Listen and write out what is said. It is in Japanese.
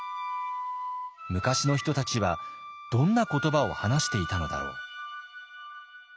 昔の人たちはどんな言葉を話していたのだろう？